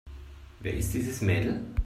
Wer ist dieses Mädel?